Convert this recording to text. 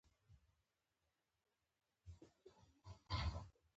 پنځۀ کسان لګيا دي پلستر لپاره پرانچ تړي